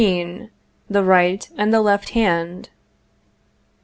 THE RIGHT AND THE LEFT HAND.